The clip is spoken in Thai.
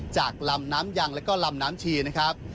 จากลำน้ำยังแล้วก็ลำน้ำชีนะครับ